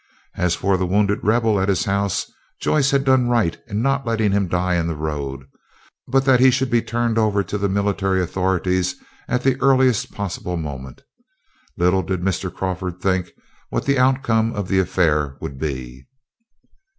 As for the wounded Rebel at his house, Joyce had done right in not letting him die in the road, but that he should be turned over to the military authorities at the earliest possible moment. Little did Mr. Crawford think what the outcome of the affair would be.